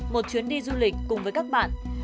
một chuyến đi du lịch cùng với các bạn